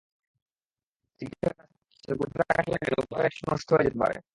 চিকিৎসকেরা আশঙ্কা করছেন, বুলেটের আঘাত লাগায় নবজাতকের একটি চোখ নষ্ট হয়ে যেতে পারে।